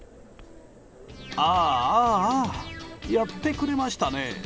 あー、あー、あーやってくれましたね。